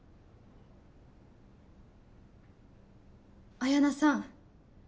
彩菜さん。